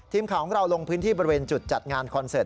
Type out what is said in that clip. ทีมข่าวของเราลงพื้นที่บริเวณจุดจัดงานคอนเสิร์ต